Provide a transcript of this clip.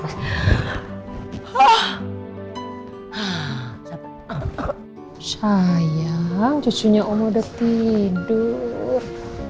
sayang cucunya on udah tidur